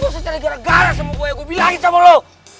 lo gak usah cari gara gara sama gue gue bilangin sama lo